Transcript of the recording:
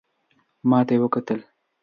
ماته یې وکتل .